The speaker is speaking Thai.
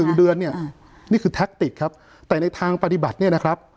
เดือนเนี่ยนี่คือแท็กติกครับแต่ในทางปฏิบัติเนี่ยนะครับ